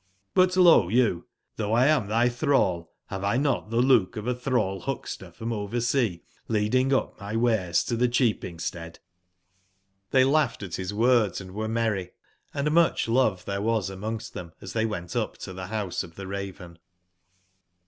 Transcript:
Butloyouttbougblamtbytbrall, baveXnot tbe lookof atbrall/buckster from oversea leading up my wares to tbe cbeaping stead ?'' tibey laugbed at bis words an d were merry, and mucb love tbere was amongst tbem as tbey went up to tbe Rouse of tbe Raven.